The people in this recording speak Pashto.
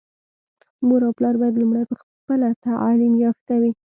مور او پلار بايد لومړی په خپله تعليم يافته وي.